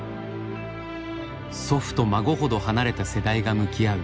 祖父と孫ほど離れた世代が向き合う